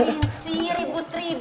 ini ngapain sih ribut ribut